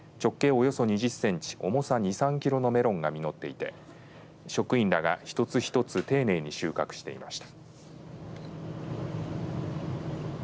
およそ２０センチ重さ２３キロのメロンが育っていて職員らが一つ一つ丁寧に収穫していました。